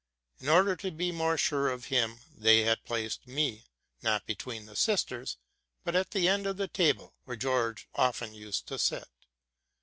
In order to be more sure of him, they had placed me, not between the sisters, but at the end of the table, where George often used to sit.